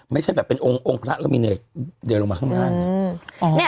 ไม่ใช่แบบเป็นองค์องค์พนักแล้วมีเนิดเดินลงมาข้างหน้า